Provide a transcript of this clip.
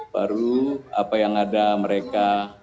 baru apa yang ada mereka